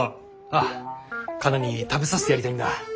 ああカナに食べさせてやりたいんだ。